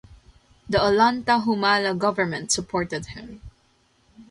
The Ollanta Humala government supported him.